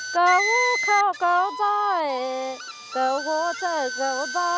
cảm ơn các bạn đã theo dõi